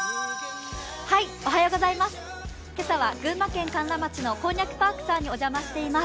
今朝は群馬県甘楽町のこんにゃくパークにお邪魔しています。